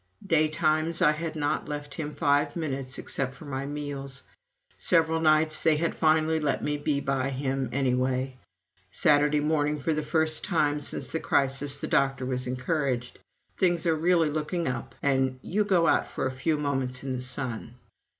Daytimes I had not left him five minutes, except for my meals. Several nights they had finally let me be by him, anyway. Saturday morning for the first time since the crisis the doctor was encouraged. "Things are really looking up," and "You go out for a few moments in the sun!"